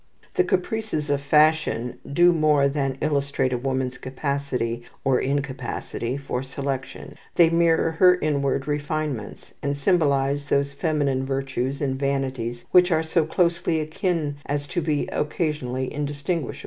The caprices of fashion do more than illustrate a woman's capacity or incapacity for selection. They mirror her inward refinements, and symbolize those feminine virtues and vanities which are so closely akin as to be occasionally undistinguishable.